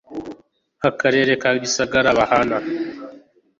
w akarere ka gisagara bahana